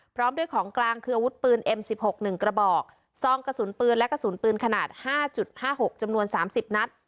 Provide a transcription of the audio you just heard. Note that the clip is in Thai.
พร้อมด้วยของกลางคืออาวุธปืนเอ็มสิบหกหนึ่งกระบอกซองกระสุนปืนและกระสุนปืนขนาด๕๕๖จำนวน๓๐นัด